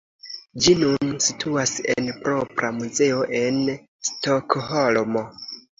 Ĝi nun situas en propra muzeo en Stokholmo.